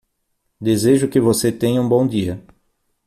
Desejo que você tenha um bom dia.